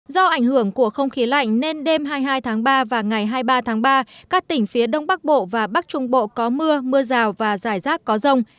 do ảnh hưởng của không khí lạnh nên đêm hai mươi hai tháng ba và ngày hai mươi ba tháng ba các tỉnh phía đông bắc bộ và bắc trung bộ có mưa mưa rào và rải rác có rông